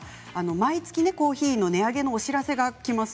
毎月コーヒーの値上げのお知らせがきます。